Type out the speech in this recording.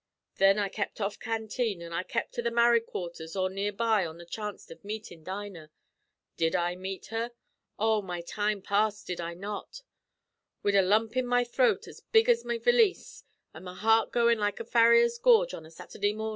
Thin I kept off canteen, an' I kept to the married quarthers or near by on the chanst av meetin' Dinah. Did I meet her? Oh, my time past, did I not, wid a lump in my throat as big as my valise, an' my heart goin' like a farrier's forge on a Saturday mornin'!